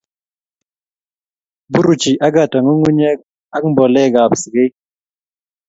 buruchi Agatha nyung'unyek ak mboleekab sikeik